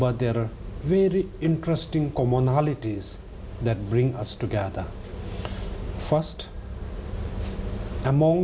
แต่มีสิ่งที่มีความสำคัญที่ทำให้เราเกี่ยวกัน